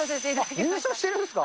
優勝してるんですか？